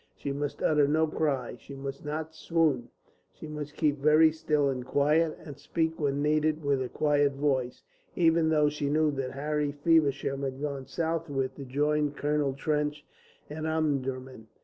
She must utter no cry, she must not swoon; she must keep very still and quiet, and speak when needed with a quiet voice, even though she knew that Harry Feversham had gone southward to join Colonel Trench at Omdurman.